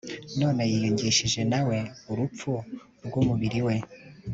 none yiyungishije namwe urupfu rw'umubiri we